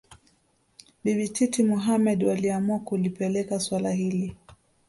Bibi Titi Mohamed waliamua kulipeleka suala hili